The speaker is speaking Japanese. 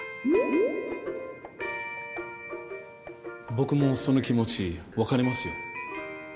僕もその気持ち分かりますよ